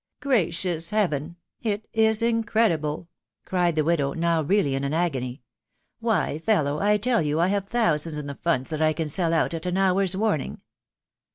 s< Gracious Heaven !.... It is incredible !"...• cried the widow, now really in an agony. " Why, fellow, I tell you I have thousands in the funds that I can sell out at an hour's warning